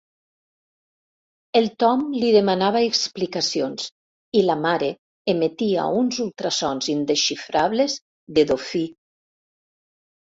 El Tom li demanava explicacions i la mare emetia uns ultrasons indesxifrables, de dofí.